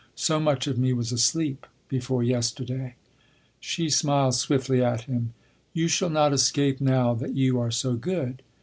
So much of me was asleep before yesterday." She smiled swiftly at him. "You shall not escape now that you are so good.